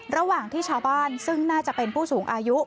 ระหว่างที่ชาวบ้านซึ่งน่าจะเป็นผู้สูงอายุ